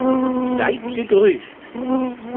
Seid gegrüßt!